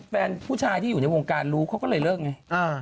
แฟนผู้ชายที่อยู่ในวงการรู้เขาก็เลยเลิกไง